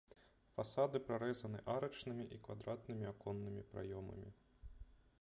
Фасады прарэзаны арачнымі і квадратнымі аконнымі праёмамі.